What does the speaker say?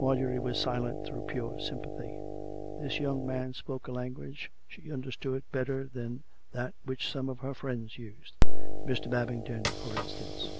Marjorie was silent through pure sympathy. This young man spoke a language she understood better than that which some of her friends used — Mr. Babington, for instance.